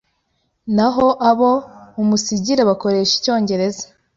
naho abo mumusigira bakoresha Icyongereza,